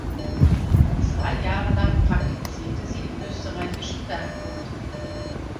Zwei Jahre lang praktizierte sie im Österreichischen Werkbund.